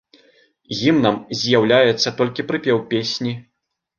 Гімнам з'яўляецца толькі прыпеў песні.